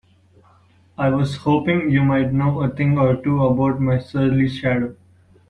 I was hoping you might know a thing or two about my surly shadow?